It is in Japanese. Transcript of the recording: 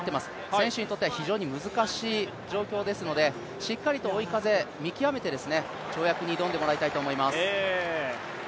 選手にとっては非常に難しい状況ですのでしっかりと追い風見極めて、跳躍に挑んでもらいたいと思います。